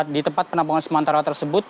di tempat penampungan sementara tersebut